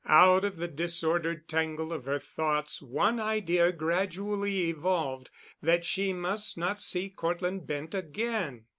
Out of the disordered tangle of her thoughts one idea gradually evolved—that she must not see Cortland Bent again.